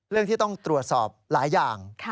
เรื่องที่ต้องตรวจสอบหลายอย่าง